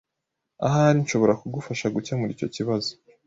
Ahari nshobora kugufasha gukemura icyo kibazo.